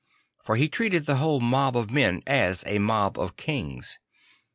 For he treated the \vhole mob of men as a mob of kings.